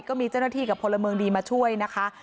ก็มีเจ้าหน้าที่กับพลเมืองดีมาช่วยนะคะ